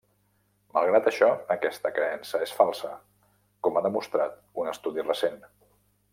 Malgrat això, aquesta creença es falsa, com ha demostrat un estudi recent.